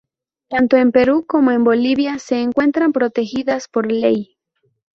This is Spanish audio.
Tanto en Perú como en Bolivia se encuentran protegidas por Ley.